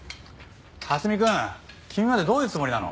蓮見くん君までどういうつもりなの？